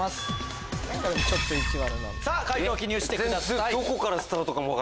さぁ解答記入してください。